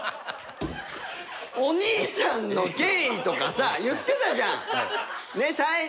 お兄ちゃんの権威とかさ言ってたじゃん。